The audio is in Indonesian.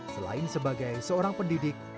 selain sebagai seorang pendidik